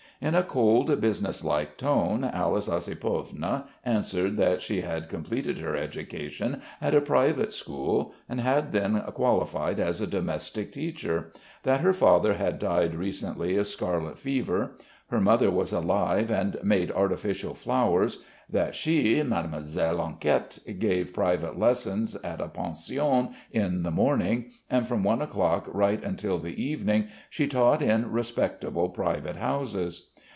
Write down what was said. In a cold, business like tone Alice Ossipovna answered that she had completed her education at a private school, and had then qualified as a domestic teacher, that her father had died recently of scarlet fever, her mother was alive and made artificial flowers, that she, Mademoiselle Enquette, gave private lessons at a pension in the morning, and from one o'clock right until the evening she taught in respectable private houses.